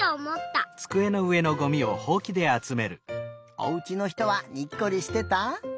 おうちのひとはにっこりしてた？